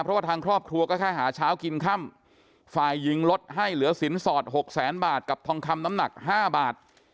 เพราะว่าทางครอบครัวก็แค่หาเช้ากินค่ำฝ่ายหญิงลดให้เหลือสินสอดหกแสนบาทกับทองคำน้ำหนัก๕บาท